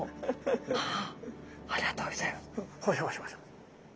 ああありがとうギョざいます。